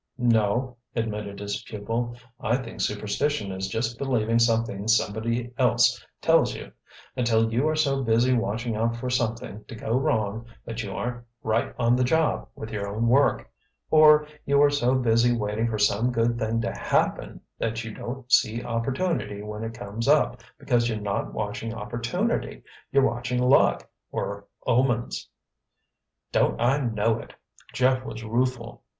"No," admitted his pupil. "I think superstition is just believing something somebody else tells you until you are so busy watching out for something to go wrong that you aren't 'right on the job' with your own work—or you are so busy waiting for some good thing to 'happen' that you don't see Opportunity when it comes up because you're not watching Opportunity—you're watching Luck, or Omens." "Don't I know it!" Jeff was rueful.